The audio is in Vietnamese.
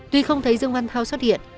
tuy không thấy dương văn thao xuất hiện